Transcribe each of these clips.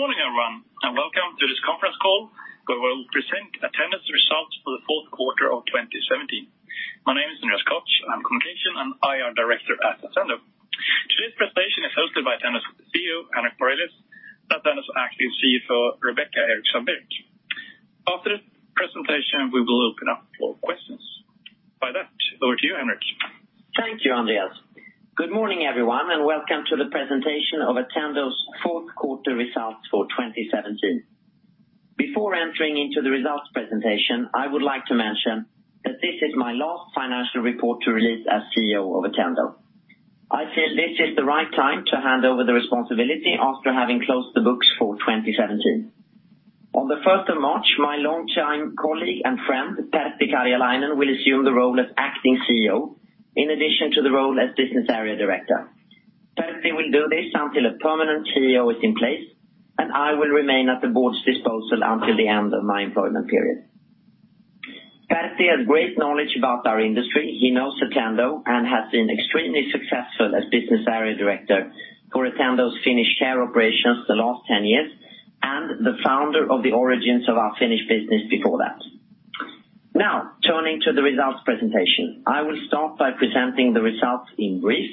Good morning, everyone, and welcome to this conference call, where we will present Attendo's results for the fourth quarter of 2017. My name is Andreas Koch. I am Communications and IR Director at Attendo. Today's presentation is hosted by Attendo CEO, Henrik Borelius, and Attendo Acting CFO, Rebecca Ericsson Birck. After the presentation, we will open up for questions. Over to you, Henrik. Thank you, Andreas. Good morning, everyone, and welcome to the presentation of Attendo's fourth quarter results for 2017. Before entering into the results presentation, I would like to mention that this is my last financial report to release as CEO of Attendo. I feel this is the right time to hand over the responsibility after having closed the books for 2017. On the 1st of March, my longtime colleague and friend, Pertti Karjalainen, will assume the role of acting CEO, in addition to the role as Business Area Director. Pertti will do this until a permanent CEO is in place, and I will remain at the board's disposal until the end of my employment period. Pertti has great knowledge about our industry. He knows Attendo and has been extremely successful as Business Area Director for Attendo's Finnish care operations the last 10 years, and the founder of the origins of our Finnish business before that. Turning to the results presentation. I will start by presenting the results in brief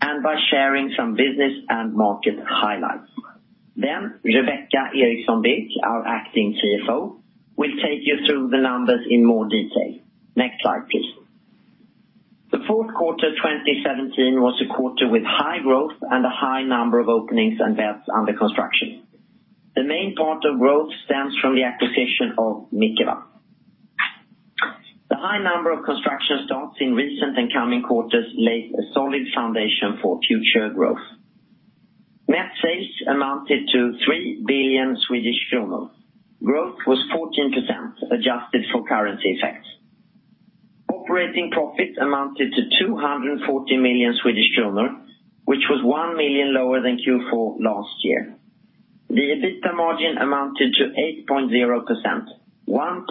and by sharing some business and market highlights. Rebecca Ericsson Birck, our acting CFO, will take you through the numbers in more detail. Next slide, please. The fourth quarter 2017 was a quarter with high growth and a high number of openings and beds under construction. The main part of growth stems from the acquisition of Mikeva. The high number of construction starts in recent and coming quarters lay a solid foundation for future growth. Net sales amounted to 3 billion Swedish kronor. Growth was 14%, adjusted for currency effects. Operating profit amounted to 240 million Swedish kronor, which was 1 million lower than Q4 last year. The EBITDA margin amounted to 8.0%, 1.1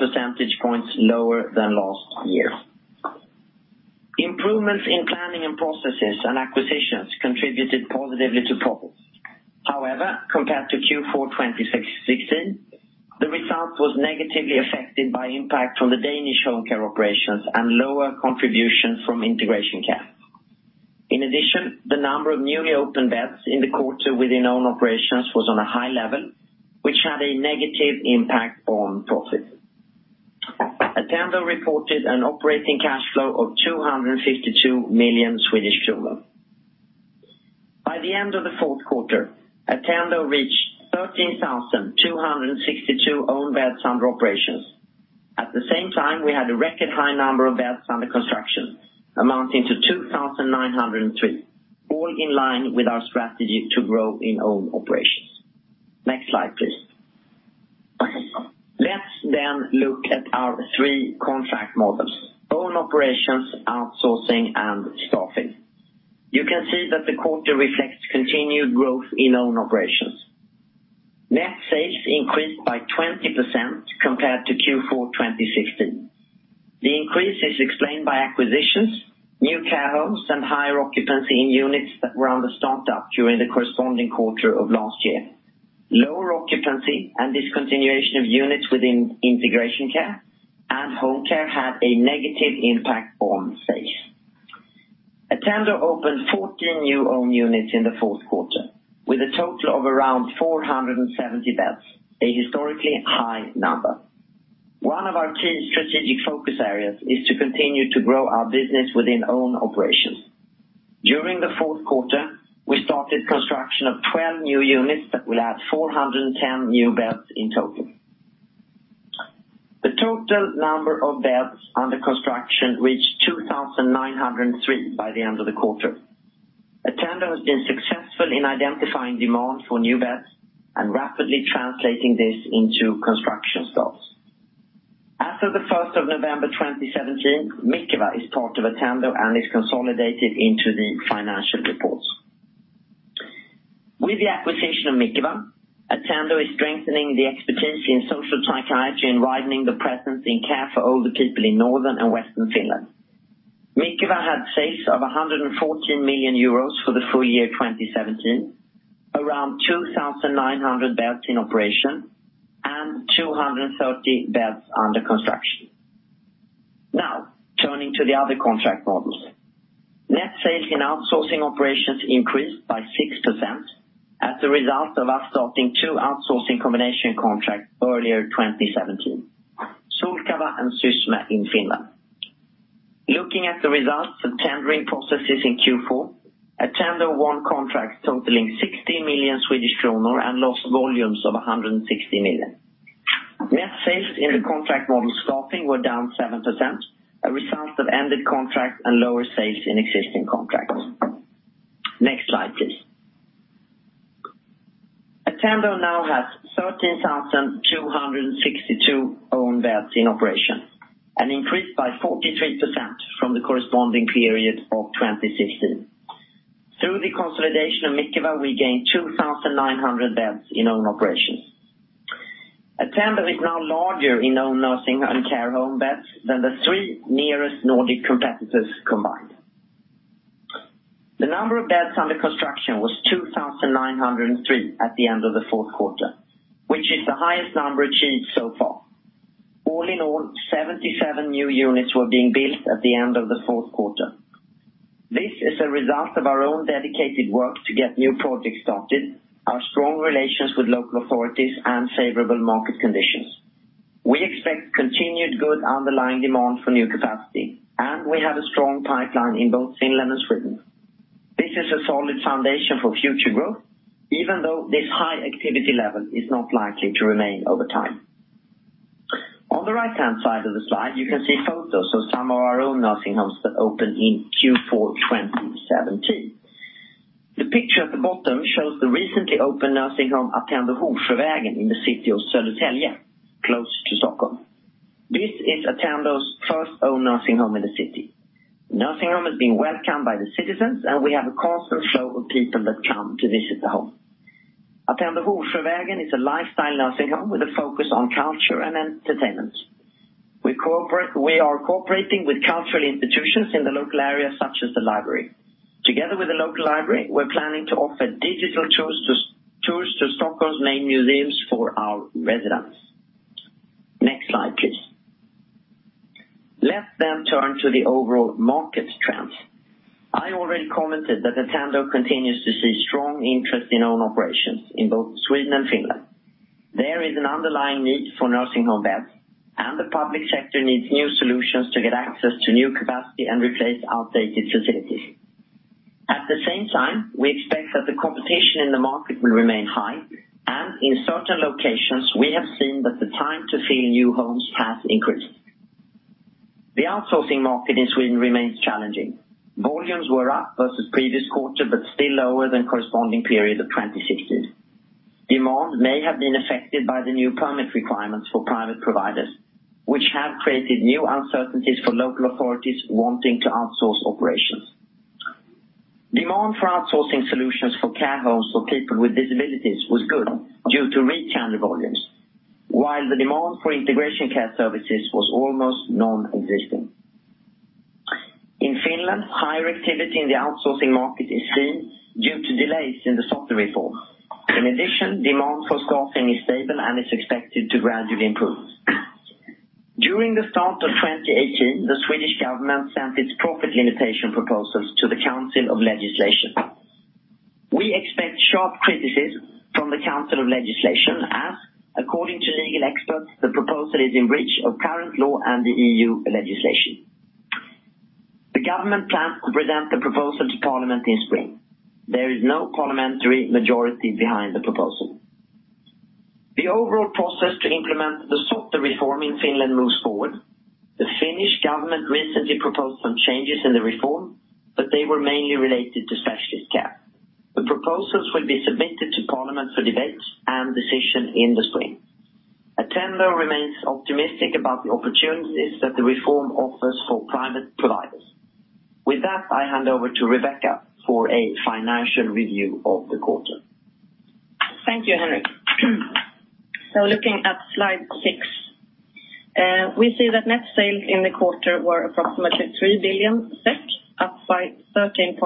percentage points lower than last year. Improvements in planning and processes and acquisitions contributed positively to profits. However, compared to Q4 2016, the result was negatively affected by impact from the Danish home care operations and lower contribution from integration care. In addition, the number of newly opened beds in the quarter within own operations was on a high level, which had a negative impact on profit. Attendo reported an operating cash flow of 252 million Swedish kronor. By the end of the fourth quarter, Attendo reached 13,262 own beds under operations. At the same time, we had a record high number of beds under construction, amounting to 2,903, all in line with our strategy to grow in own operations. Next slide, please. Let's look at our three contract models: own operations, outsourcing, and staffing. You can see that the quarter reflects continued growth in own operations. Net sales increased by 20% compared to Q4 2016. The increase is explained by acquisitions, new care homes, and higher occupancy in units that were under startup during the corresponding quarter of last year. Lower occupancy and discontinuation of units within integration care and home care had a negative impact on sales. Attendo opened 14 new own units in the fourth quarter with a total of around 470 beds, a historically high number. One of our key strategic focus areas is to continue to grow our business within own operations. During the fourth quarter, we started construction of 12 new units that will add 410 new beds in total. The total number of beds under construction reached 2,903 by the end of the quarter. Attendo has been successful in identifying demand for new beds and rapidly translating this into construction starts. After the 1st of November 2017, Mikeva is part of Attendo and is consolidated into the financial reports. With the acquisition of Mikeva, Attendo is strengthening the expertise in social psychiatry and widening the presence in care for older people in northern and western Finland. Mikeva had sales of 114 million euros for the full year 2017, around 2,900 beds in operation, and 230 beds under construction. Turning to the other contract models. Net sales in outsourcing operations increased by 6% as a result of us starting two outsourcing combination contracts earlier 2017, Sulkava and Sysmä in Finland. Looking at the results of tendering processes in Q4, Attendo won contracts totaling 60 million Swedish kronor and lost volumes of 160 million. Net sales in the contract model staffing were down 7%, a result of ended contracts and lower sales in existing contracts. Next slide, please. Attendo now has 13,262 own beds in operation, an increase by 43% from the corresponding period of 2016. Through the consolidation of Mikeva, we gained 2,900 beds in own operations. Attendo is now larger in own nursing and care home beds than the three nearest Nordic competitors combined. The number of beds under construction was 2,903 at the end of the fourth quarter, which is the highest number achieved so far. All in all, 77 new units were being built at the end of the fourth quarter. This is a result of our own dedicated work to get new projects started, our strong relations with local authorities, and favorable market conditions. We expect continued good underlying demand for new capacity, and we have a strong pipeline in both Finland and Sweden. This is a solid foundation for future growth, even though this high activity level is not likely to remain over time. On the right-hand side of the slide, you can see photos of some of our own nursing homes that opened in Q4 2017. The picture at the bottom shows the recently opened nursing home, Attendo Hovsjövägen, in the city of Södertälje, close to Stockholm. This is Attendo's first own nursing home in the city. The nursing home is being welcomed by the citizens, and we have a constant flow of people that come to visit the home. Attendo Hovsjövägen is a lifestyle nursing home with a focus on culture and entertainment. We are cooperating with cultural institutions in the local area, such as the library. Together with the local library, we're planning to offer digital tours to Stockholm's main museums for our residents. Next slide, please. Let's then turn to the overall market trends. I already commented that Attendo continues to see strong interest in own operations in both Sweden and Finland. There is an underlying need for nursing home beds, and the public sector needs new solutions to get access to new capacity and replace outdated facilities. At the same time, we expect that the competition in the market will remain high, and in certain locations, we have seen that the time to fill new homes has increased. The outsourcing market in Sweden remains challenging. Volumes were up versus the previous quarter, but still lower than the corresponding period of 2016. Demand may have been affected by the new permit requirements for private providers, which have created new uncertainties for local authorities wanting to outsource operations. Demand for outsourcing solutions for care homes for people with disabilities was good due to retained volumes, while the demand for individual and family care services was almost non-existent. In Finland, higher activity in the outsourcing market is seen due to delays in the SOTE reform. In addition, demand for staffing is stable and is expected to gradually improve. During the start of 2018, the Swedish government sent its profit limitation proposals to the Council on Legislation. We expect sharp criticism from the Council on Legislation as, according to legal experts, the proposal is in breach of current law and the EU legislation. The government plans to present the proposal to Parliament in spring. There is no parliamentary majority behind the proposal. The overall process to implement the SOTE reform in Finland moves forward. The Finnish government recently proposed some changes in the reform, but they were mainly related to specialist care. The proposals will be submitted to Parliament for debate and decision in the spring. Attendo remains optimistic about the opportunities that the reform offers for private providers. With that, I hand over to Rebecca for a financial review of the quarter. Thank you, Henrik. Looking at slide six, we see that net sales in the quarter were approximately 3 billion SEK, up by 13.8%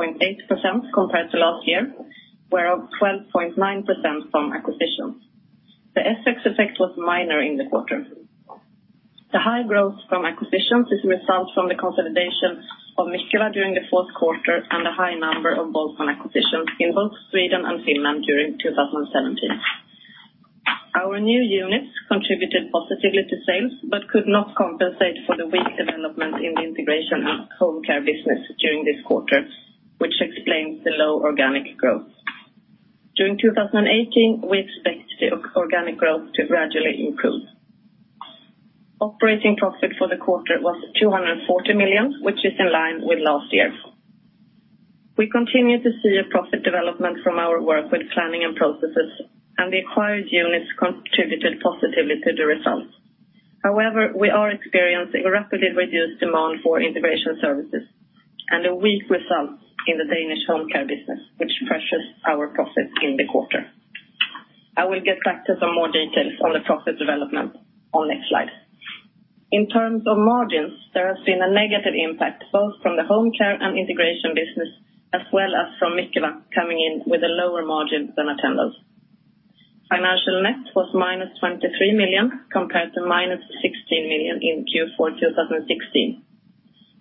compared to last year, where up 12.9% from acquisitions. The FX effect was minor in the quarter. The high growth from acquisitions is a result from the consolidation of Mikeva during the fourth quarter and a high number of bolt-on acquisitions in both Sweden and Finland during 2017. Our new units contributed positively to sales but could not compensate for the weak development in the integration and home care business during this quarter, which explains the low organic growth. During 2018, we expect organic growth to gradually improve. Operating profit for the quarter was 240 million, which is in line with last year. We continue to see a profit development from our work with planning and processes, and the acquired units contributed positively to the results. However, we are experiencing a rapidly reduced demand for integration services and a weak result in the Danish home care business, which pressures our profit in the quarter. I will get back to some more details on the profit development on the next slide. In terms of margins, there has been a negative impact both from the home care and integration business, as well as from Mikeva coming in with a lower margin than Attendo's. Financial net was minus 23 million compared to minus 16 million in Q4 2016,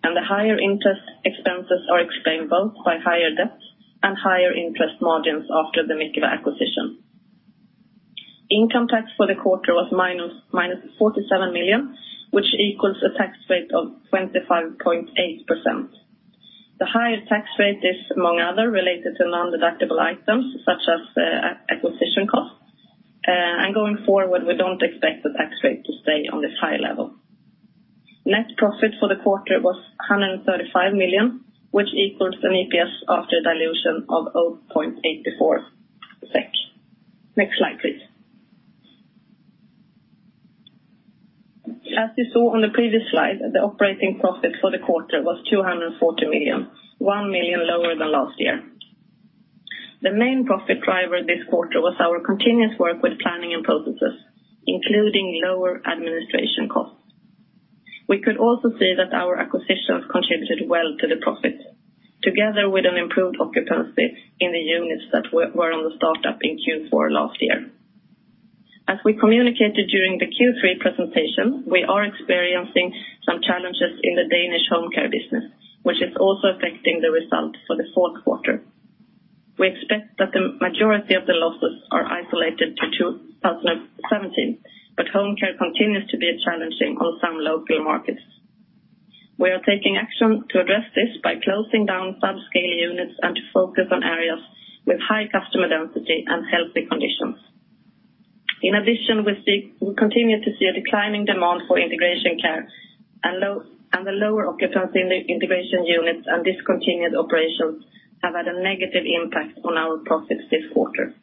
and the higher interest expenses are explainable by higher debts and higher interest margins after the Mikeva acquisition. Income tax for the quarter was minus 47 million, which equals a tax rate of 25.8%. The highest tax rate is, among other, related to non-deductible items such as acquisition costs. Going forward, we don't expect the tax rate to stay on this high level. Net profit for the quarter was 135 million, which equals an EPS after dilution of 0.84 SEK. Next slide, please. As you saw on the previous slide, the operating profit for the quarter was 240 million, 1 million lower than last year. The main profit driver this quarter was our continuous work with planning and processes, including lower administration costs. We could also see that our acquisitions contributed well to the profit, together with an improved occupancy in the units that were on the startup in Q4 last year. As we communicated during the Q3 presentation, we are experiencing some challenges in the Danish home care business, which is also affecting the results for the fourth quarter. We expect that the majority of the losses are isolated to 2017, but home care continues to be challenging on some local markets. We are taking action to address this by closing down subscale units and to focus on areas with high customer density and healthy conditions. In addition, we continue to see a declining demand for integration care, and the lower occupancy in the integration units and discontinued operations have had a negative impact on our profits this quarter.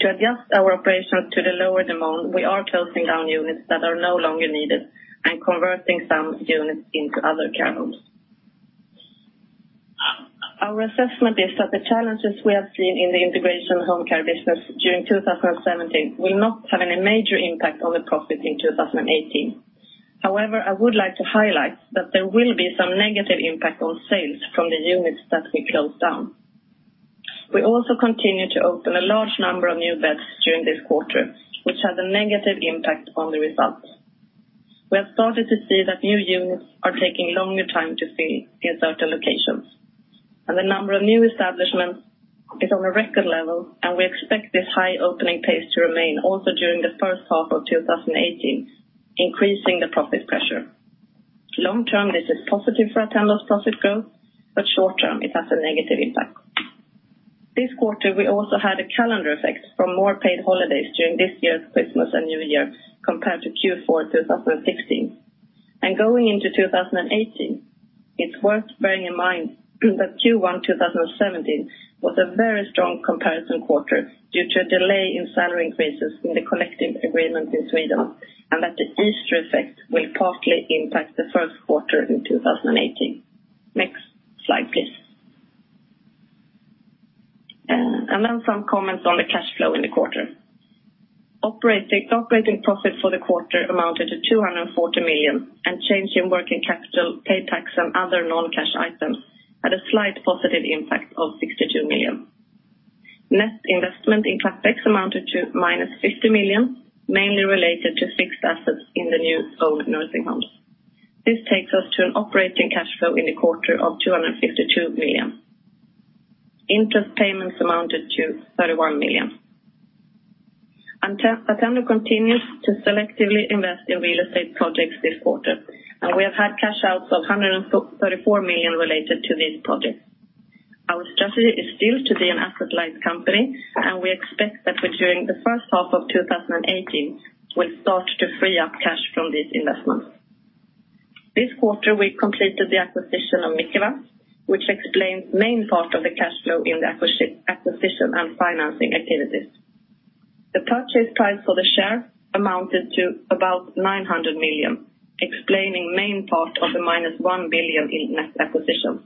To adjust our operations to the lower demand, we are closing down units that are no longer needed and converting some units into other care homes. Our assessment is that the challenges we have seen in the integration home care business during 2017 will not have any major impact on the profit in 2018. However, I would like to highlight that there will be some negative impact on sales from the units that we close down. We also continue to open a large number of new beds during this quarter, which has a negative impact on the results. We have started to see that new units are taking longer time to fill in certain locations, and the number of new establishments is on a record level, and we expect this high opening pace to remain also during the first half of 2018, increasing the profit pressure. Long term, this is positive for Attendo's profit growth, but short term, it has a negative impact. This quarter, we also had a calendar effect from more paid holidays during this year's Christmas and New Year compared to Q4 2016. Going into 2018, it is worth bearing in mind that Q1 2017 was a very strong comparison quarter due to a delay in salary increases in the collective agreement in Sweden, that the Easter effect will partly impact the first quarter in 2018. Next slide, please. Some comments on the cash flow in the quarter. Operating profit for the quarter amounted to 240 million, change in working capital, pay tax, and other non-cash items had a slight positive impact of 62 million. Net investment in CapEx amounted to minus 50 million, mainly related to fixed assets in the new owned nursing homes. This takes us to an operating cash flow in the quarter of 252 million. Interest payments amounted to 31 million. Attendo continues to selectively invest in real estate projects this quarter, and we have had cash outs of 134 million related to these projects. Our strategy is still to be an asset-light company, and we expect that during the first half of 2018, we will start to free up cash from these investments. This quarter, we completed the acquisition of Mikeva, which explains main part of the cash flow in the acquisition and financing activities. The purchase price for the share amounted to about 900 million, explaining main part of the minus 1 billion in net acquisitions.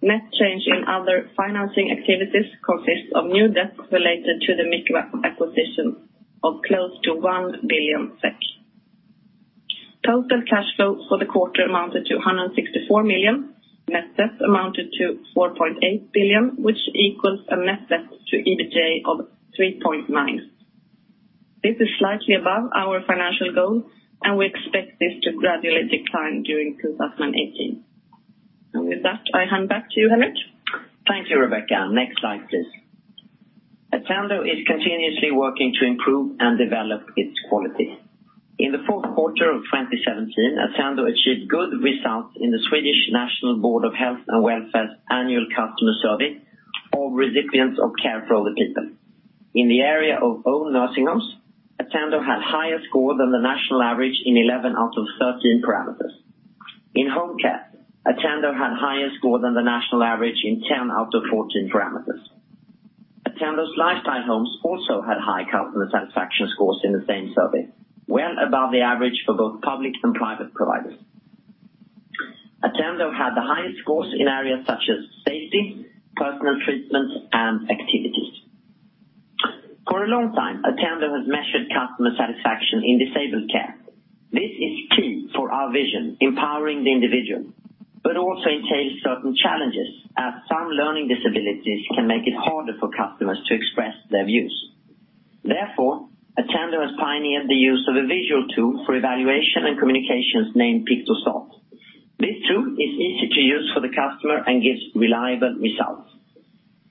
Net change in other financing activities consists of new debts related to the Mikeva acquisition of close to 1 billion SEK. Total cash flow for the quarter amounted to 164 million. Net debt amounted to 4.8 billion, which equals a net debt to EBITDA of 3.9. This is slightly above our financial goals, and we expect this to gradually decline during 2018. With that, I hand back to you, Henrik. Thank you, Rebecca. Next slide, please. Attendo is continuously working to improve and develop its quality. In the fourth quarter of 2017, Attendo achieved good results in the Swedish National Board of Health and Welfare's annual customer survey of recipients of care for older people. In the area of owned nursing homes, Attendo had higher score than the national average in 11 out of 13 parameters. In home care, Attendo had higher score than the national average in 10 out of 14 parameters. Attendo's lifestyle homes also had high customer satisfaction scores in the same survey, well above the average for both public and private providers. Attendo had the highest scores in areas such as safety, personal treatment, and activities. For a long time, Attendo has measured customer satisfaction in disability care. This is key for our vision, empowering the individual, but also entails certain challenges as some learning disabilities can make it harder for customers to express their views. Therefore, Attendo has pioneered the use of a visual tool for evaluation and communications named Pictosol. This tool is easy to use for the customer and gives reliable results.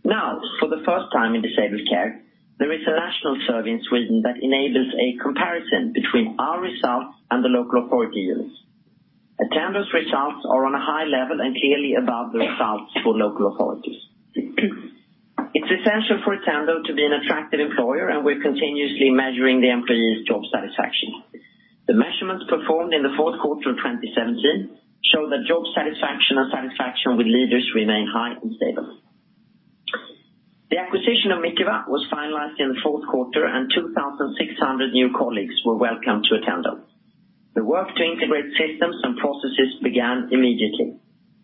Now, for the first time in disability care, there is a national survey in Sweden that enables a comparison between our results and the local authority units. Attendo's results are on a high level and clearly above the results for local authorities. It is essential for Attendo to be an attractive employer, and we are continuously measuring the employees' job satisfaction. The measurements performed in the fourth quarter of 2017 show that job satisfaction and satisfaction with leaders remain high and stable. The acquisition of Mikeva was finalized in the fourth quarter, and 2,600 new colleagues were welcomed to Attendo. The work to integrate systems and processes began immediately.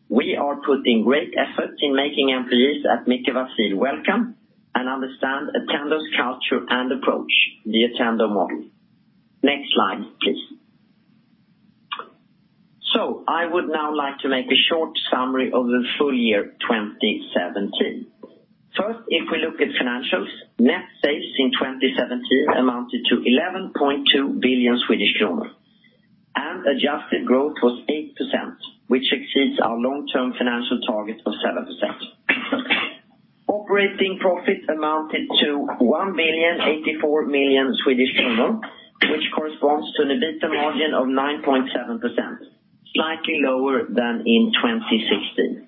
We are putting great effort in making employees at Mikeva feel welcome and understand Attendo's culture and approach, the Attendo model. Next slide, please. I would now like to make a short summary of the full year 2017. First, if we look at financials, net sales in 2017 amounted to 11.2 billion Swedish kronor, and adjusted growth was 8%, which exceeds our long-term financial target of 7%. Operating profit amounted to 1,084 million, which corresponds to an EBITDA margin of 9.7%, slightly lower than in 2016.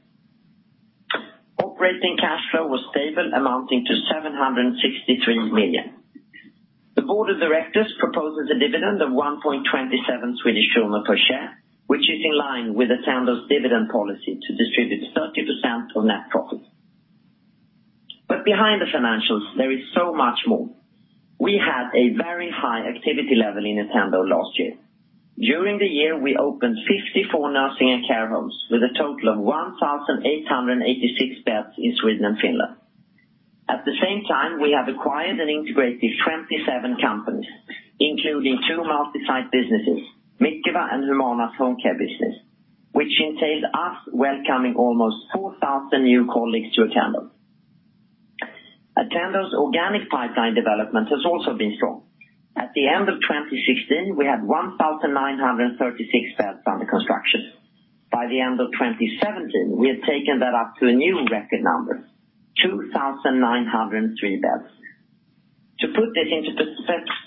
Operating cash flow was stable, amounting to 763 million. The board of directors proposes a dividend of 1.27 Swedish krona per share, which is in line with Attendo's dividend policy to distribute 30% of net profit. Behind the financials, there is so much more. We had a very high activity level in Attendo last year. During the year, we opened 54 nursing and care homes with a total of 1,886 beds in Sweden and Finland. At the same time, we have acquired and integrated 27 companies, including two multi-site businesses, Mikeva and Lumana home care business, which entails us welcoming almost 4,000 new colleagues to Attendo. Attendo's organic pipeline development has also been strong. At the end of 2016, we had 1,936 beds under construction. By the end of 2017, we had taken that up to a new record number, 2,903 beds. To put this into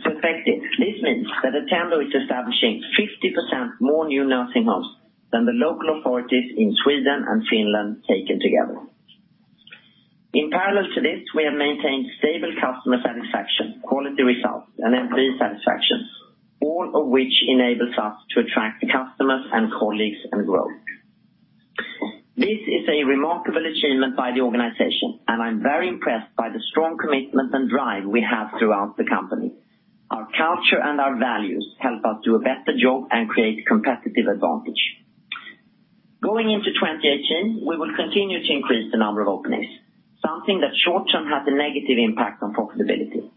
perspective, this means that Attendo is establishing 50% more new nursing homes than the local authorities in Sweden and Finland taken together. In parallel to this, we have maintained stable customer satisfaction, quality results and employee satisfaction, all of which enables us to attract customers and colleagues and grow. This is a remarkable achievement by the organization, and I'm very impressed by the strong commitment and drive we have throughout the company. Our culture and our values help us do a better job and create competitive advantage. Going into 2018, we will continue to increase the number of openings, something that short term has a negative impact on profitability,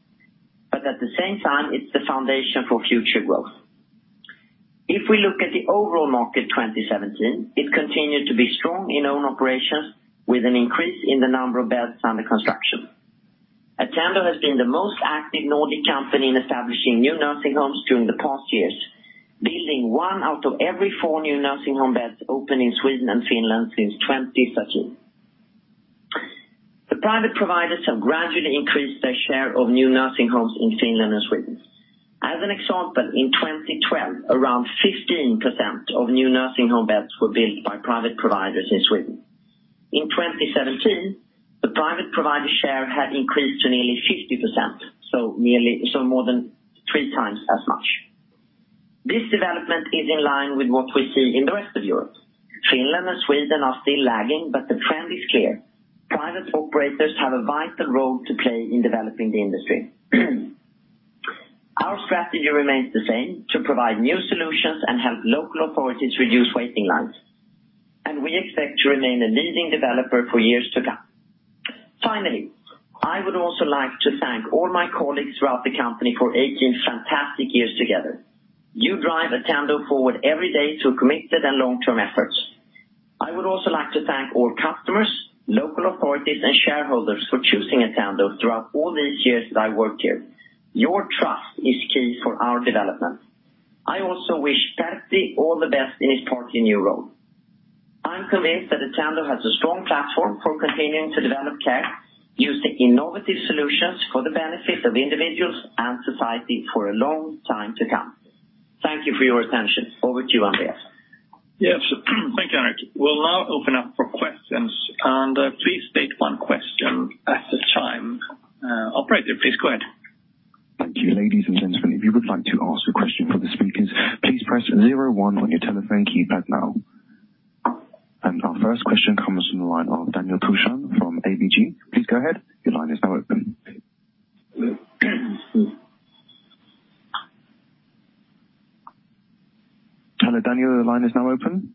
at the same time it's the foundation for future growth. If we look at the overall market 2017, it continued to be strong in own operations with an increase in the number of beds under construction. Attendo has been the most active Nordic company in establishing new nursing homes during the past years, building one out of every four new nursing home beds open in Sweden and Finland since 2013. The private providers have gradually increased their share of new nursing homes in Finland and Sweden. As an example, in 2012, around 15% of new nursing home beds were built by private providers in Sweden. In 2017, the private provider share had increased to nearly 50%, more than three times as much. This development is in line with what we see in the rest of Europe. Finland and Sweden are still lagging, the trend is clear. Private operators have a vital role to play in developing the industry. Our strategy remains the same: to provide new solutions and help local authorities reduce waiting lines. We expect to remain a leading developer for years to come. Finally, I would also like to thank all my colleagues throughout the company for 18 fantastic years together. You drive Attendo forward every day through committed and long-term efforts. I would also like to thank all customers, local authorities, and shareholders for choosing Attendo throughout all these years that I worked here. Your trust is key for our development. I also wish Pertti all the best in his part in new role. I'm convinced that Attendo has a strong platform for continuing to develop care using innovative solutions for the benefit of individuals and society for a long time to come. Thank you for your attention. Over to you, Andreas. Yes. Thank you, Henrik. We'll now open up for questions. Please state one question at a time. Operator, please go ahead. Thank you. Ladies and gentlemen, if you would like to ask a question for the speakers, please press zero one on your telephone keypad now. Our first question comes from the line of Daniel Tüchsen from ABG. Please go ahead. Your line is now open. Hello, Daniel, the line is now open.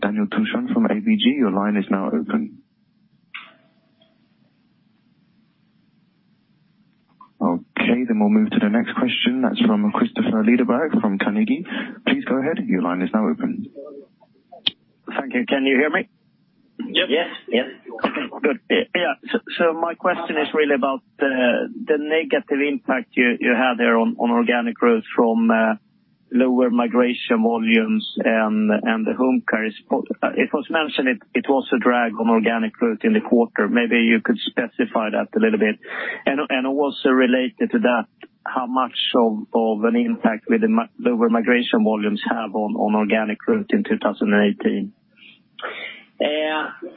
Daniel Tüchsen from ABG, your line is now open. We'll move to the next question. That's from Christopher Lederberg from Carnegie. Please go ahead. Your line is now open. Thank you. Can you hear me? Yep. Yes. Okay, good. Yeah. My question is really about the negative impact you had there on organic growth from lower migration volumes and the home care. It was mentioned it was a drag on organic growth in the quarter. Maybe you could specify that a little bit. Related to that, how much of an impact will the lower migration volumes have on organic growth in 2018?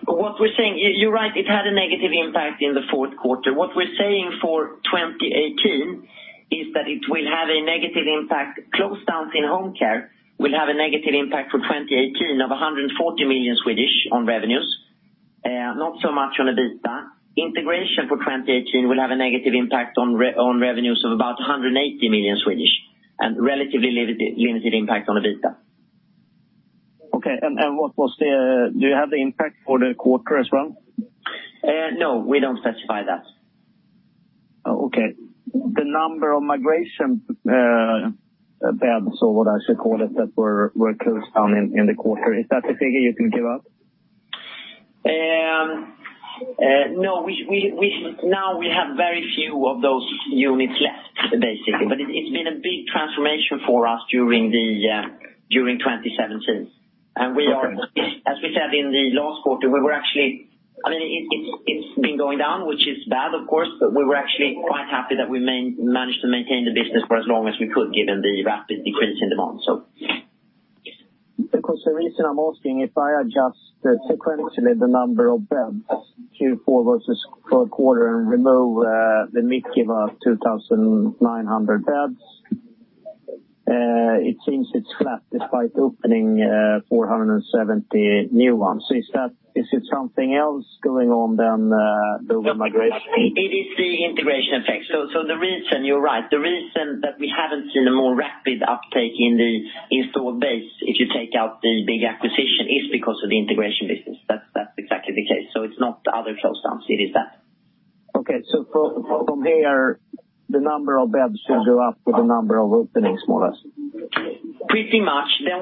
What we're saying, you're right, it had a negative impact in the fourth quarter. What we're saying for 2018 is that it will have a negative impact. Close down in home care will have a negative impact for 2018 of 140 million on revenues, not so much on the EBITDA. Integration for 2018 will have a negative impact on revenues of about 180 million and relatively limited impact on EBITDA. Okay. Do you have the impact for the quarter as well? No, we don't specify that. Okay. The number of migration beds, or what I should call it, that were closed down in the quarter, is that a figure you can give out? No. Now we have very few of those units left, basically. It's been a big transformation for us during 2017. Okay. As we said in the last quarter, it's been going down, which is bad of course, but we were actually quite happy that we managed to maintain the business for as long as we could given the rapid decrease in demand. The reason I'm asking, if I adjust sequentially the number of beds Q4 versus per quarter and remove the Mikeva 2,900 beds, it seems it's flat despite opening 470 new ones. Is it something else going on than the migration? It is the integration effect. You're right. The reason that we haven't seen a more rapid uptake in the installed base, if you take out the big acquisition, is because of the integration business. That's exactly the case. It's not the other close downs, it is that. Okay. From here, the number of beds will go up with the number of openings, more or less. Pretty much. The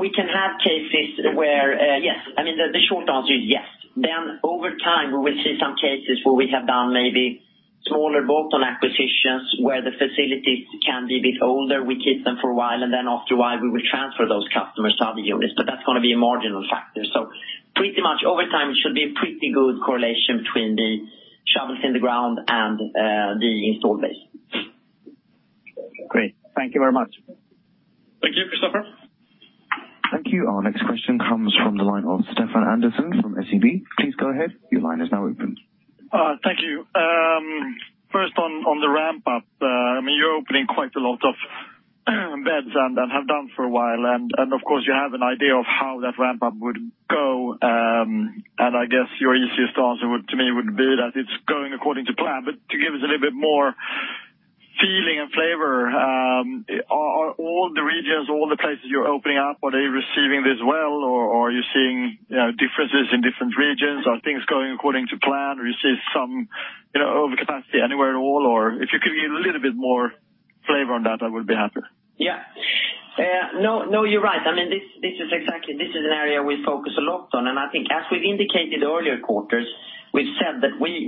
short answer is yes. Over time we will see some cases where we have done maybe smaller bolt-on acquisitions where the facilities can be a bit older. We keep them for a while and after a while we will transfer those customers to other units. That's going to be a marginal factor. Pretty much over time it should be pretty good correlation between the shovels in the ground and the installed base. Great. Thank you very much. Thank you, Christopher. Thank you. Our next question comes from the line of Stephan Andersson from SEB. Please go ahead. Your line is now open. Thank you. First on the ramp up, you're opening quite a lot of beds and have done for a while, and of course you have an idea of how that ramp up would go. I guess your easiest answer to me would be that it's going according to plan. To give us a little bit more feeling and flavor, are all the regions, all the places you're opening up, are they receiving this well or are you seeing differences in different regions? Are things going according to plan or you see some over capacity anywhere at all? If you could give me a little bit more flavor on that, I would be happy. No, you're right. This is an area we focus a lot on. I think as we've indicated earlier quarters, we've said that we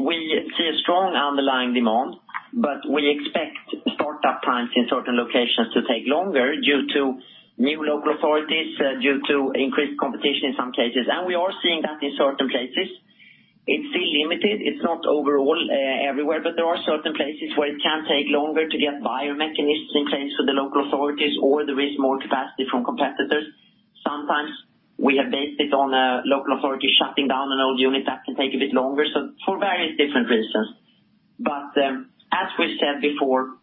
see a strong underlying demand, we expect startup times in certain locations to take longer due to new local authorities, due to increased competition in some cases. We are seeing that in certain places. It's still limited. It's not overall everywhere, there are certain places where it can take longer to get buyer mechanisms in place for the local authorities or there is more capacity from competitors. Sometimes we have based it on a local authority shutting down an old unit, that can take a bit longer. For various different reasons. As we said before,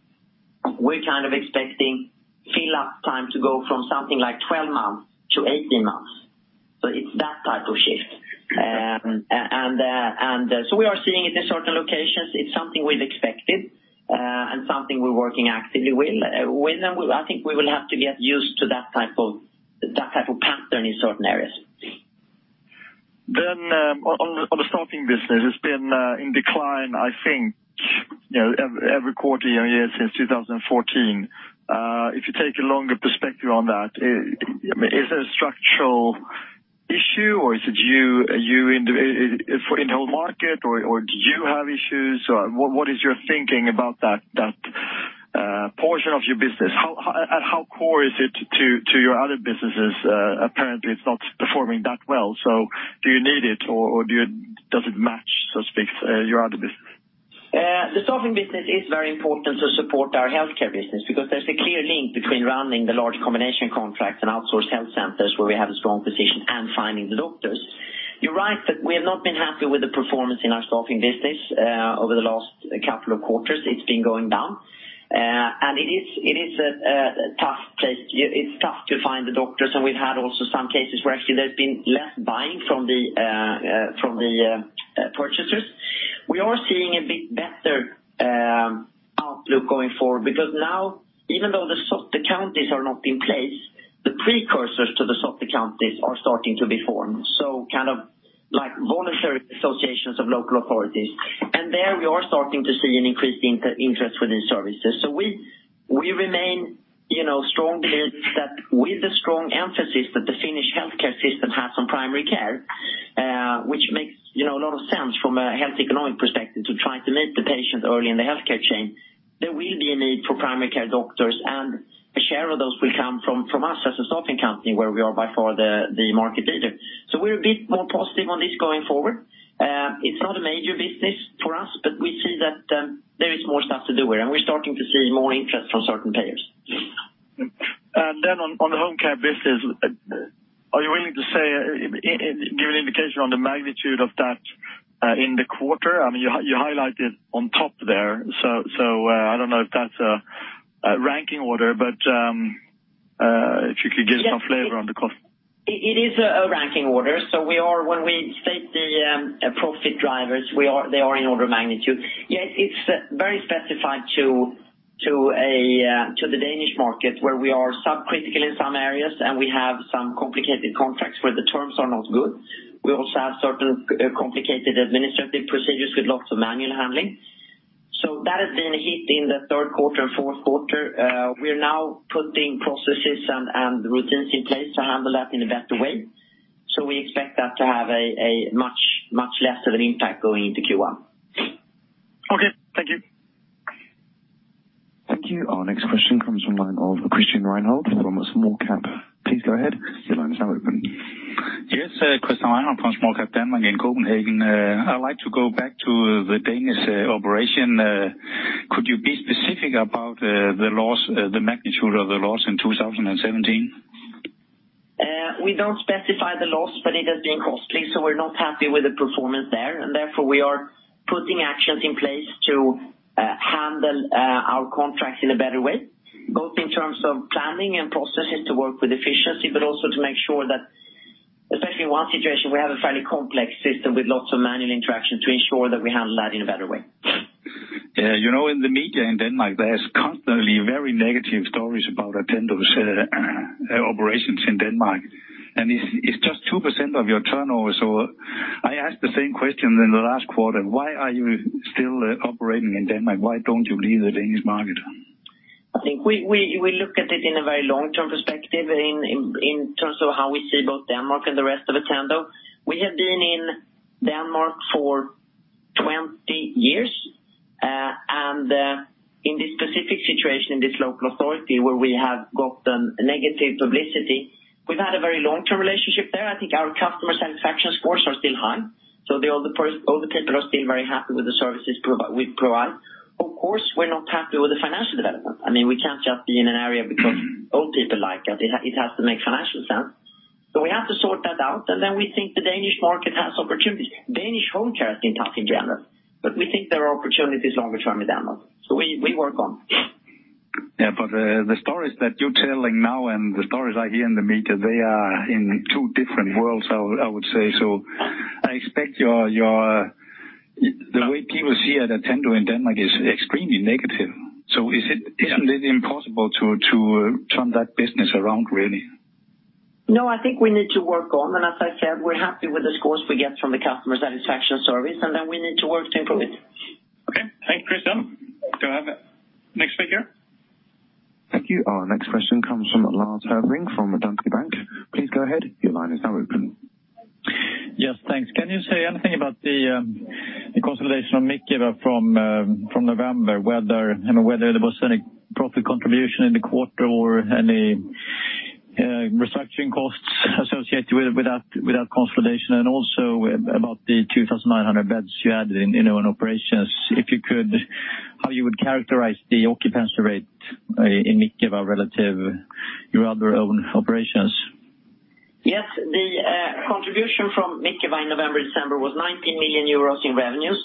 we're kind of expecting fill up time to go from something like 12 months to 18 months. It's that type of shift. We are seeing it in certain locations. It's something we've expected and something we're working actively with. I think we will have to get used to that type of pattern in certain areas. On the staffing business, it's been in decline I think every quarter year since 2014. If you take a longer perspective on that, is it a structural issue in the whole market or do you have issues? What is your thinking about that portion of your business? How core is it to your other businesses? Apparently it's not performing that well, do you need it or does it match, so to speak, your other business? The staffing business is very important to support our healthcare business because there's a clear link between running the large combination contracts and outsourced health centers where we have a strong position and finding the doctors. You're right that we have not been happy with the performance in our staffing business over the last couple of quarters. It's been going down. It is tough to find the doctors, we've had also some cases where actually there's been less buying from the purchasers. We are seeing a bit better outlook going forward because now, even though the SOTE counties are not in place, the precursors to the SOTE counties are starting to be formed, so kind of like voluntary associations of local authorities. There we are starting to see an increasing interest within services. We remain strongly convinced that with the strong emphasis that the Finnish healthcare system has on primary care, which makes a lot of sense from a health economic perspective to try to meet the patient early in the healthcare chain, there will be a need for primary care doctors, and a share of those will come from us as a staffing company where we are by far the market leader. We're a bit more positive on this going forward. It's not a major business for us, but we see that there is more stuff to do there and we're starting to see more interest from certain payers. On the home care business Give an indication on the magnitude of that in the quarter. You highlighted on top there. I don't know if that's a ranking order, but if you could give some flavor on the cost. It is a ranking order. When we state the profit drivers, they are in order of magnitude. Yeah, it's very specified to the Danish market, where we are sub-critical in some areas, and we have some complicated contracts where the terms are not good. We also have certain complicated administrative procedures with lots of manual handling. That has been a hit in the third quarter and fourth quarter. We are now putting processes and routines in place to handle that in a better way. We expect that to have a much lesser of an impact going into Q1. Okay, thank you. Thank you. Our next question comes from the line of Christian Reinhold from Småkap. Please go ahead, your line is now open. Yes. Christian Reinhold from Småkap in Copenhagen. I'd like to go back to the Danish operation. Could you be specific about the magnitude of the loss in 2017? We don't specify the loss, but it has been costly, so we're not happy with the performance there. Therefore, we are putting actions in place to handle our contracts in a better way, both in terms of planning and processes to work with efficiency, but also to make sure that, especially one situation, we have a fairly complex system with lots of manual interaction to ensure that we handle that in a better way. Yeah. In the media in Denmark, there's constantly very negative stories about Attendo's operations in Denmark, and it's just 2% of your turnover. I asked the same question in the last quarter. Why are you still operating in Denmark? Why don't you leave the Danish market? I think we look at it in a very long-term perspective in terms of how we see both Denmark and the rest of Attendo. We have been in Denmark for 20 years. In this specific situation, in this local authority where we have gotten negative publicity, we've had a very long-term relationship there. I think our customer satisfaction scores are still high. All the people are still very happy with the services we provide. Of course, we're not happy with the financial development. We can't just be in an area because all people like it. It has to make financial sense. We have to sort that out. We think the Danish market has opportunities. Danish home care has been tough in general, we think there are opportunities longer term in Denmark. We work on. Yeah, the stories that you're telling now and the stories I hear in the media, they are in two different worlds, I would say. I expect the way people see Attendo in Denmark is extremely negative. Isn't it impossible to turn that business around, really? No, I think we need to work on. As I said, we're happy with the scores we get from the customer satisfaction surveys, we need to work to improve it. Okay. Thank you, Christian Reinhold. Do I have the next speaker? Thank you. Our next question comes from Lars Hevreng from Danske Bank. Please go ahead. Your line is now open. Thanks. Can you say anything about the consolidation of Mikeva from November? Whether there was any profit contribution in the quarter or any restructuring costs associated with that consolidation, and also about the 2,900 beds you had in own operations. If you could, how you would characterize the occupancy rate in Mikeva relative your other own operations? The contribution from Mikeva in November, December was 19 million euros in revenues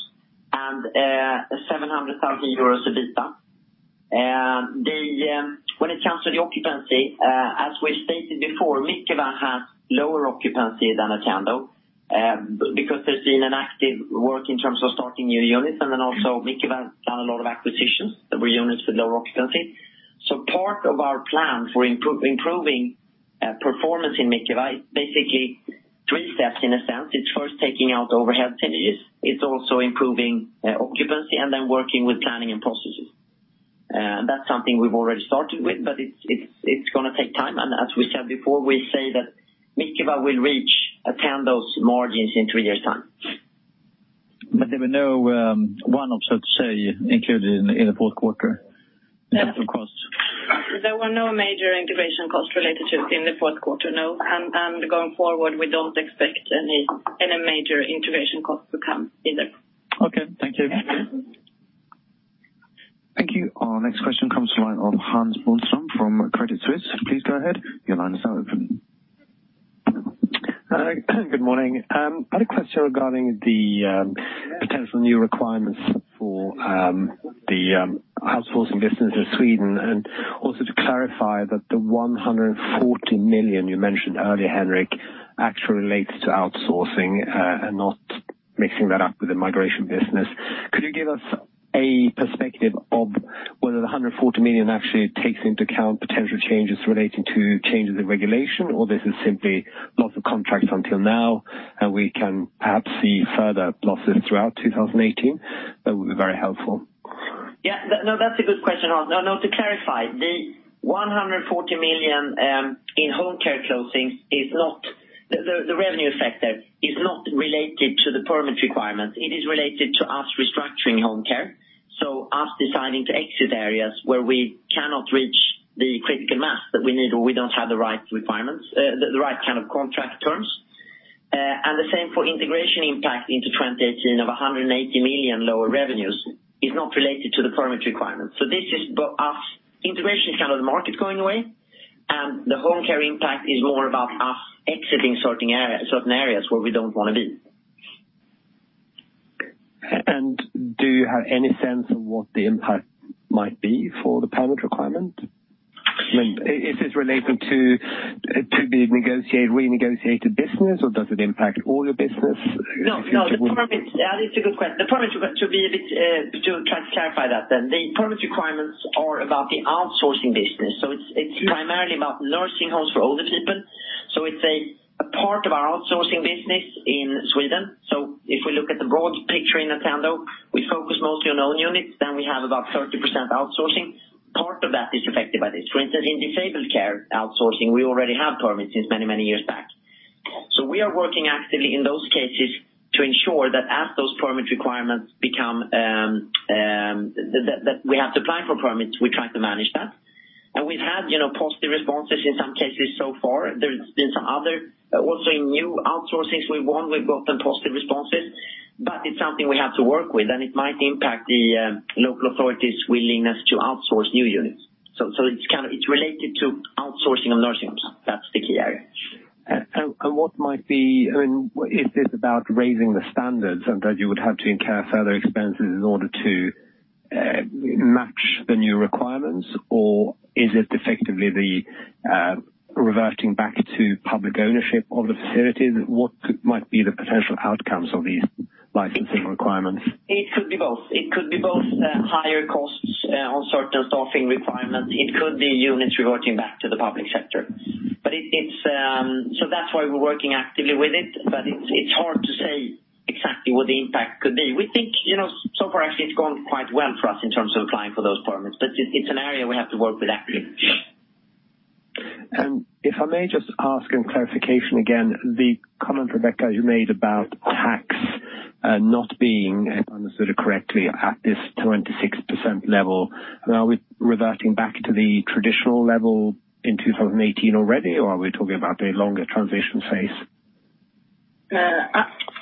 and 700,000 euros EBITDA. When it comes to the occupancy, as we've stated before, Mikeva has lower occupancy than Attendo, because there's been an active work in terms of starting new units and then also Mikeva done a lot of acquisitions that were units with low occupancy. Part of our plan for improving performance in Mikeva is basically three steps in a sense. It's first taking out overhead synergies. It's also improving occupancy and then working with planning and processes. That's something we've already started with, but it's going to take time, and as we said before, we say that Mikeva will reach Attendo's margins in three years' time. There were no one-off, so to say, included in the fourth quarter costs? There were no major integration costs related to it in the fourth quarter, no. Going forward, we don't expect any major integration costs to come either. Okay, thank you. Thank you. Our next question comes from the line of Hans Boström from Credit Suisse. Please go ahead. Your line is now open. Good morning. I had a question regarding the potential new requirements for the outsourcing business in Sweden, to clarify that the 140 million you mentioned earlier, Henrik, actually relates to outsourcing, and not mixing that up with the migration business. Could you give us a perspective of whether the 140 million actually takes into account potential changes relating to changes in regulation, or this is simply loss of contracts until now, and we can perhaps see further losses throughout 2018? That would be very helpful. That's a good question, Hans. To clarify, the 140 million in home care closings, the revenue effect there is not related to the permit requirement. It is related to us restructuring home care. Us deciding to exit areas where we cannot reach the critical mass that we need, or we don't have the right kind of contract terms. The same for integration impact into 2018 of 180 million lower revenues is not related to the permit requirement. This is about us, integration is the market going away, and the home care impact is more about us exiting certain areas where we don't want to be. Do you have any sense of what the impact might be for the permit requirement? Is this related to the renegotiated business, or does it impact all your business? That is a good question. To try to clarify that then. The permit requirements are about the outsourcing business. It's primarily about nursing homes for older people. It's a part of our outsourcing business in Sweden. If we look at the broad picture in Attendo, we focus mostly on own units, then we have about 30% outsourcing. Part of that is affected by this. For instance, in disability care outsourcing, we already have permits since many years back. We are working actively in those cases to ensure that as those permit requirements become that we have to apply for permits, we try to manage that. We've had positive responses in some cases so far. There's been some other, also in new outsourcings we won, we've gotten positive responses. It's something we have to work with, and it might impact the local authorities' willingness to outsource new units. It's related to outsourcing of nursing homes. That's the key area. Is this about raising the standards and that you would have to incur further expenses in order to match the new requirements? Or is it effectively the reverting back to public ownership of the facilities? What might be the potential outcomes of these licensing requirements? It could be both. It could be both higher costs on certain staffing requirements. It could be units reverting back to the public sector. That's why we're working actively with it, but it's hard to say exactly what the impact could be. We think, so far actually it's gone quite well for us in terms of applying for those permits, but it's an area we have to work with actively. If I may just ask in clarification again, the comment, Rebecca, you made about tax, not being, if I understood correctly, at this 26% level. Are we reverting back to the traditional level in 2018 already, or are we talking about a longer transition phase?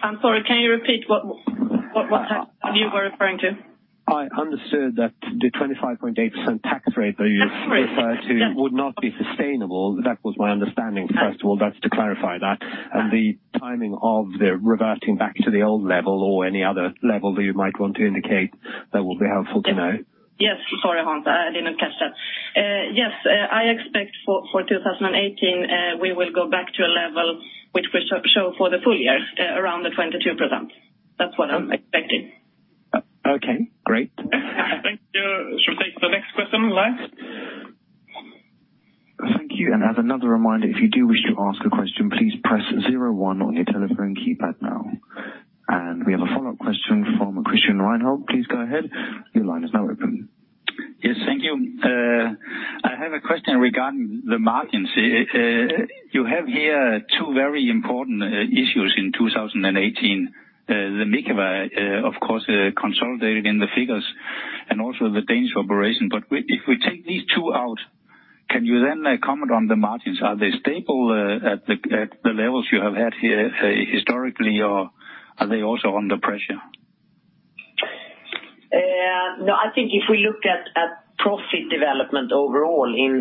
I'm sorry, can you repeat what you were referring to? I understood that the 25.8% tax rate that you referred to would not be sustainable. That was my understanding, first of all, that's to clarify that. The timing of the reverting back to the old level or any other level that you might want to indicate, that will be helpful to know. Yes. Sorry, Hans, I didn't catch that. Yes, I expect for 2018, we will go back to a level which we show for the full year, around the 22%. That's what I'm expecting. Okay, great. Thank you. Should we take the next question in line? Thank you, as another reminder, if you do wish to ask a question, please press zero one on your telephone keypad now. We have a follow-up question from Christian Reinhold. Please go ahead. Your line is now open. Yes, thank you. I have a question regarding the margins. You have here two very important issues in 2018. The Mikeva, of course, consolidated in the figures and also the Danish operation. If we take these two out, can you then comment on the margins? Are they stable at the levels you have had here historically, or are they also under pressure? I think if we look at profit development overall in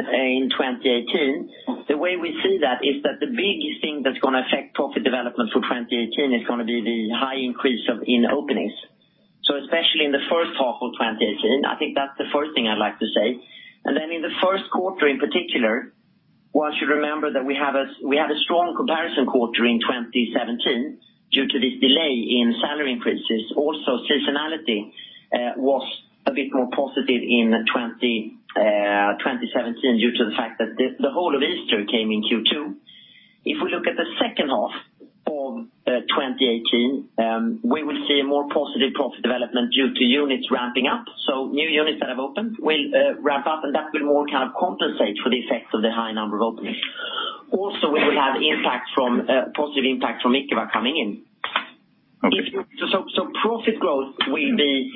2018, the way we see that is that the biggest thing that's going to affect profit development for 2018 is going to be the high increase in openings. Especially in the first half of 2018, I think that's the first thing I'd like to say. In the first quarter in particular, one should remember that we had a strong comparison quarter in 2017 due to this delay in salary increases. Seasonality was a bit more positive in 2017 due to the fact that the whole of Easter came in Q2. If we look at the second half of 2018, we will see a more positive profit development due to units ramping up. New units that have opened will ramp up, and that will more compensate for the effects of the high number of openings. We will have positive impact from Mikeva coming in. Okay. Profit growth will be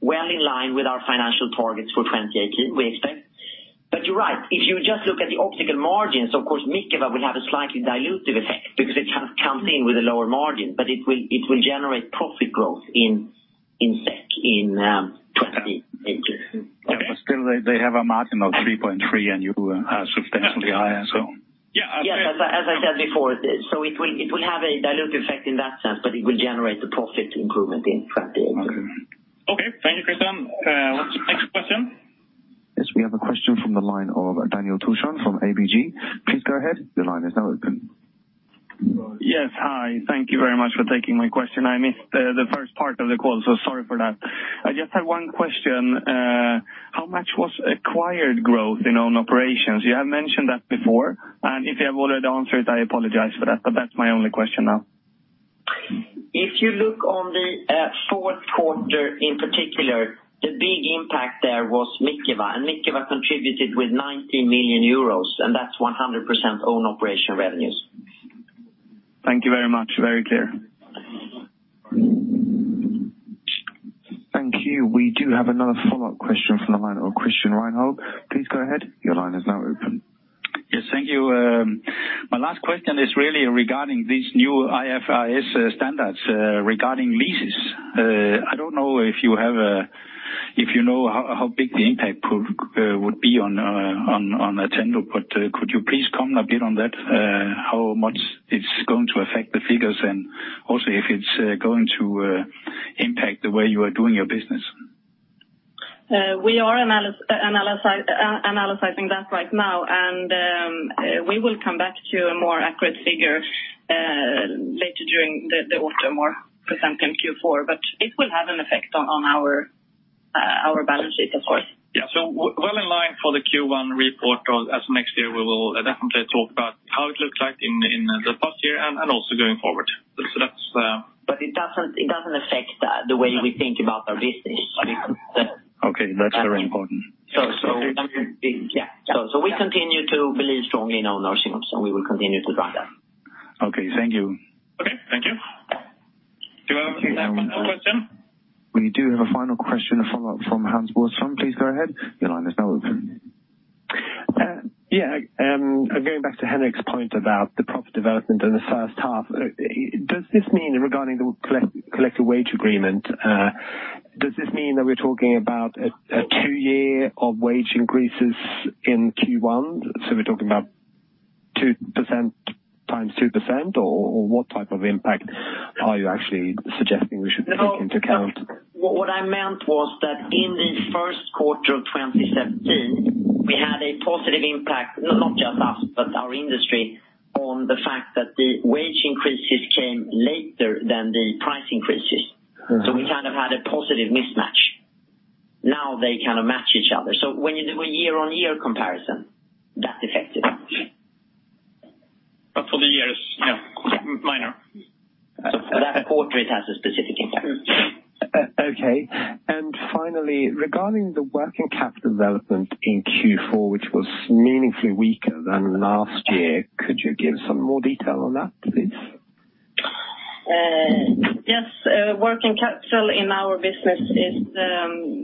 well in line with our financial targets for 2018, we expect. You're right. If you just look at the optical margins, of course, Mikeva will have a slightly dilutive effect because it comes in with a lower margin, it will generate profit growth in SEK in 2018. Still they have a margin of 3.3% and you are substantially higher. Yes, as I said before, it will have a dilutive effect in that sense, it will generate a profit improvement in 2018. Okay. Okay. Thank you, Christian. Next question. We have a question from the line of Daniel Tüchsen from ABG. Please go ahead. Your line is now open. Hi. Thank you very much for taking my question. I missed the first part of the call, so sorry for that. I just have one question. How much was acquired growth in own operations? You have mentioned that before, and if you have already answered, I apologize for that, but that's my only question now. If you look on the fourth quarter in particular, the big impact there was Mikeva, and Mikeva contributed with 90 million euros, and that's 100% own operation revenues. Thank you very much. Very clear. Thank you. We do have another follow-up question from the line of Christian Reinhold. Please go ahead. Your line is now open. Yes, thank you. My last question is really regarding these new IFRS standards regarding leases. I don't know if you know how big the impact would be on Attendo, but could you please comment a bit on that, how much it's going to affect the figures, and also if it's going to impact the way you are doing your business? We are analyzing that right now, and we will come back to a more accurate figure later during the autumn or present in Q4, but it will have an effect on our balance sheet, of course. Yeah. Well in line for the Q1 report as next year, we will definitely talk about how it looks like in the past year and also going forward. It doesn't affect the way we think about our business. Okay. That's very important. We continue to believe strongly in our nursing homes, and we will continue to drive that. Okay. Thank you. Okay. Thank you. Do I have a final question? We do have a final question, a follow-up from Hans Boström. Please go ahead. Your line is now open. Yeah. Going back to Henrik's point about the profit development in the first half, does this mean regarding the collective wage agreement, does this mean that we're talking about a 2-year of wage increases in Q1? We're talking about 2% times 2%, or what type of impact are you actually suggesting we should take into account? What I meant was that in the first quarter of 2017, we had a positive impact, not just us, but our industry, on the fact that the wage increases came later than the price increases. We kind of had a positive mismatch. Now they kind of match each other. When you do a year-on-year comparison, that affects it. For the years, yeah, minor. That quarter, it has a specific impact. Okay. Finally, regarding the working capital development in Q4, which was meaningfully weaker than last year, could you give some more detail on that, please? Yes. Working capital in our business is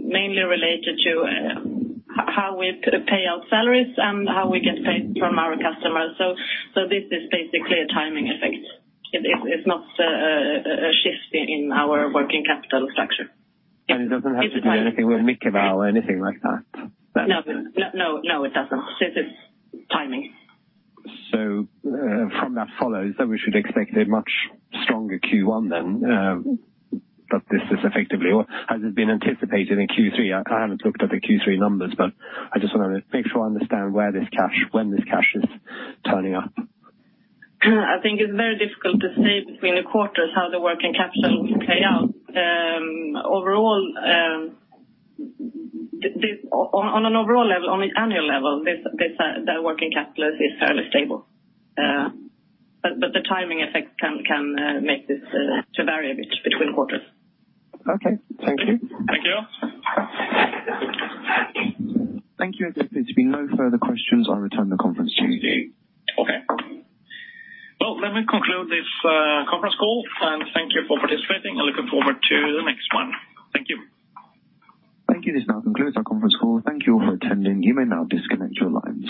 mainly related to how we pay out salaries and how we get paid from our customers. This is basically a timing effect. It's not a shift in our working capital structure. It doesn't have to do anything with Mikeva or anything like that? No, it doesn't. This is timing. From that follows that we should expect a much stronger Q1, this is effectively, or has it been anticipated in Q3? I haven't looked at the Q3 numbers, but I just want to make sure I understand where this cash, when this cash is turning up. I think it's very difficult to say between the quarters how the working capital will play out. On an overall level, on an annual level, the working capital is fairly stable. The timing effect can make this to vary a bit between quarters. Okay. Thank you. Thank you. Thank you. There appear to be no further questions, I'll return the conference to you. Okay. Well, let me conclude this conference call, and thank you for participating. I'm looking forward to the next one. Thank you. Thank you. This now concludes our conference call. Thank you for attending. You may now disconnect your lines.